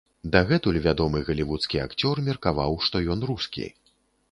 Дагэтуль вядомы галівудскі акцёр меркаваў, што ён рускі.